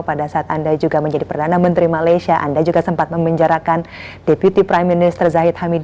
pada saat anda juga menjadi perdana menteri malaysia anda juga sempat memenjarakan deputi prime minister zahid hamidi